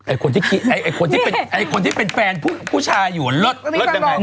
ไอ่คนไอ่คนที่เป้นแฟนผู้ชายอยู่เรศเรศยังไง